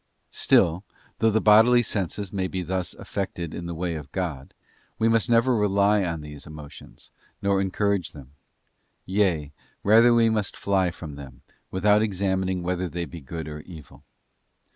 Still, though the bodily senses may be thus affected in the way of God, we must never rely on these emotions, nor encourage them; yea, rather we must fly from them, without examining whether they be good or evil.